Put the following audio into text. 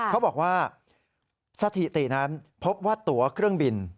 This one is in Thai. เขาบอกว่าสถิตินั้นพบว่าตัวเครื่องบิน